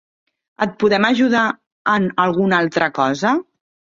Et podem ajudar en alguna altra cosa?